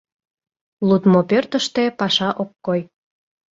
ЛУДМО ПӦРТЫШТӦ ПАША ОК КОЙ